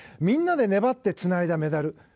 みんなで粘ってつないだメダル。